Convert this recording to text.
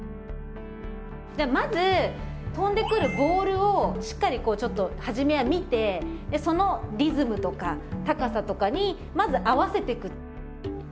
じゃあまず飛んでくるボールをしっかりこうちょっと初めは見てそのリズムとか高さとかにまず合わせてく。